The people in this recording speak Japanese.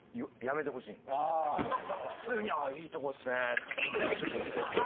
普通にああいいところですねって。